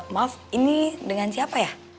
maaf ini dengan siapa ya